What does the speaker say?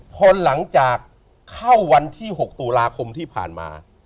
พอหลังจากเข้าวันที่๖ตุลาคมที่ผ่านมา